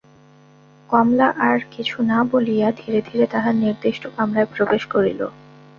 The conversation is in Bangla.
কমলা আর কিছু না বলিয়া ধীরে ধীরে তাহার নির্দিষ্ট কামরায় প্রবেশ করিল।